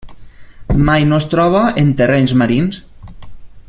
Mai no es troba en terrenys marins.